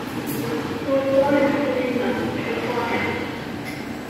He was born in Pasadena, California.